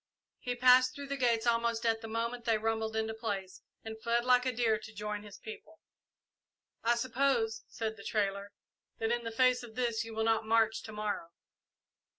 He passed through the gates almost at the moment they rumbled into place, and fled like a deer to join his people. "I suppose," said the trader, "that in the face of this you will not march to morrow."